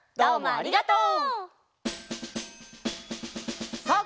ありがとう！